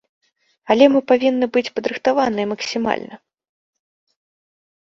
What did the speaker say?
Але мы павінны быць падрыхтаваныя максімальна.